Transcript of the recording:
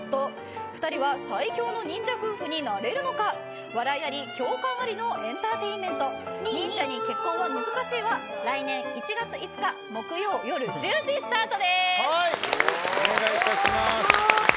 ２人は最強の忍者夫婦になれるのか笑いあり、共感ありのエンターテインメント忍者に結婚は難しいは来年１月５日お願いいたします。